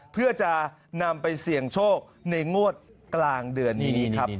เพื่อจะนำไปเสี่ยงโชคในงวดกลางเดือนนี้ครับ